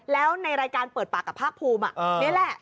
แล้วในรายการเปิดปากกับภาคภูมินี่แหละ